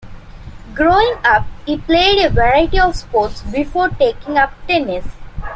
Growing up, he played a variety of sports before taking up tennis.